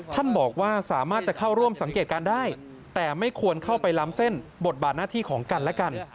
ท่านบอกว่าสามารถจะเข้าร่วมสังเกตการณ์ได้แต่ไม่ควรเข้าไปล้ำเส้นบทบาทหน้าที่ของกันและกัน